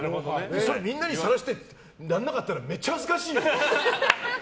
みんなに、さらしてやらなかったらめっちゃ恥ずかしいよね。